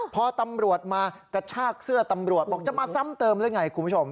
พอตำรวจมากระชากเสื้อตำรวจบอกจะมาซ้ำเติมหรือไงคุณผู้ชม